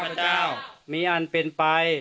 ข้าพเจ้านางสาวสุภัณฑ์หลาโภ